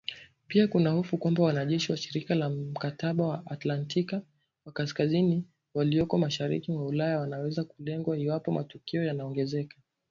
Pia kuna hofu kwamba wanajeshi wa Shirika la Mkataba wa Atlantiki ya Kaskazini walioko mashariki mwa Ulaya wanaweza kulengwa iwapo matukio yanaongezeka.